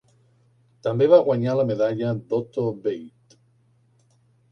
També va guanyar la medalla d'Otto Beit.